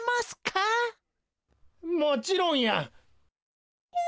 もちろんや！